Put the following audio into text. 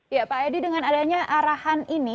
ya pak edi dengan adanya arahan ini